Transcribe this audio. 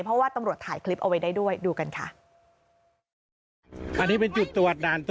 เพราะว่าตำรวจถ่ายคลิปเอาไว้ได้ด้วยดูกันค่ะ